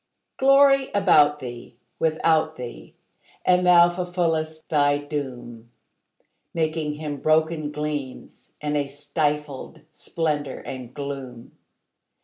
Glory about thee, without thee; and thou fulfillest thy doom, Making Him broken gleams, and a stifled splendour and gloom.